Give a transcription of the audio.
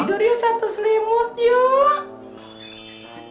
tidur yu satu selimut yu